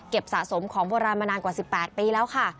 สะสมของโบราณมานานกว่า๑๘ปีแล้วค่ะ